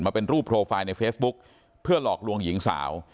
เป็นรูปโปรไฟล์ในเฟซบุ๊กเพื่อหลอกลวงหญิงสาว